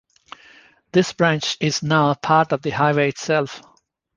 This branch is now part of the highway itself.